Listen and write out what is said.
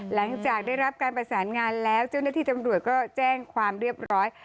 หลังจากได้รับการประสานงานแล้วเจ้าหน้าที่ตำรวจก็แจ้งความเรียบร้อย